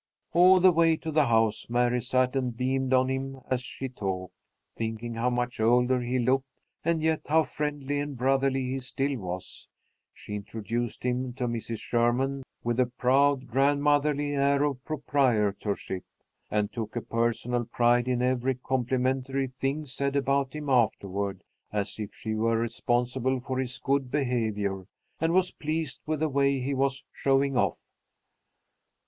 All the way to the house Mary sat and beamed on him as she talked, thinking how much older he looked, and yet how friendly and brotherly he still was. She introduced him to Mrs. Sherman with a proud, grandmotherly air of proprietorship, and took a personal pride in every complimentary thing said about him afterward, as if she were responsible for his good behavior, and was pleased with the way he was "showing off."